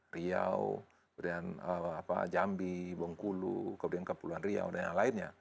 riau kemudian jambi bengkulu kemudian kepulauan riau dan yang lainnya